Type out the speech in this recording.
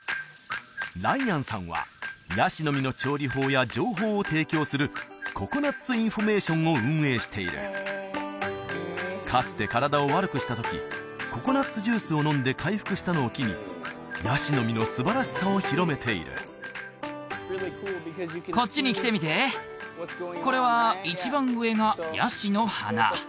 ライアンさんはヤシの実の調理法や情報を提供するココナッツインフォメーションを運営しているかつて体を悪くした時ココナッツジュースを飲んで回復したのを機にヤシの実のすばらしさを広めているこっちに来てみてこれは一番上がヤシの花